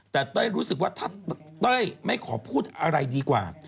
แต่เต้ยรู้สึกว่าถ้าเต้ยไม่ขอพูดอะไรดีกว่า